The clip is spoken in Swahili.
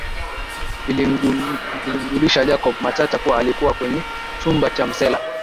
Vilimjulisha Jacob Matata kuwa alikuwa kwenye chumba cha msela